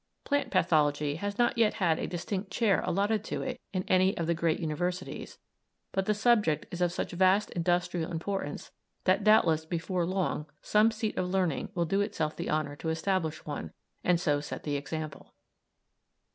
Plant pathology has not yet had a distinct chair allotted to it in any of the great universities, but the subject is of such vast industrial importance, that doubtless before long some seat of learning will do itself the honour to establish one, and so set the example.